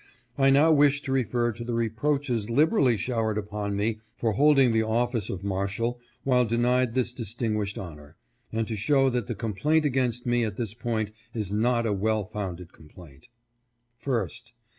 I now wish to refer to the reproaches liberally showered upon me for holding the office of Marshal while denied DUTIES OF MAESHAL. 517 this distinguished honor, and to show that the complaint against me at this point is not a well founded complaint. 1st.